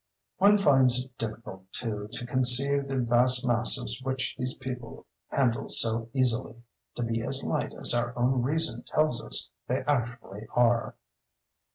One finds it difficult, too, to conceive the vast masses which these people handle so easily, to be as light as our own reason tells us they actually are.